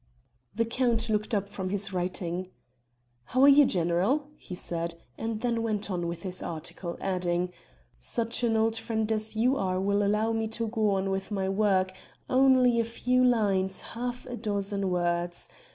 The count looked up from his writing: "How are you General?" he said, and then went on with his article, adding: "Such an old friend as you are will allow me to go on with my work; only a few lines half a dozen words.